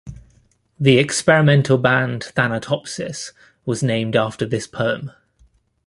The experimental band Thanatopsis was named after this poem.